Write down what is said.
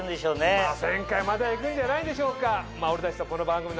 まぁ１０００回までは行くんじゃないでしょうか！